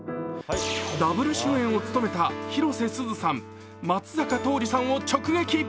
ダブル主演を務めた広瀬すずさん、松坂桃李さんを直撃。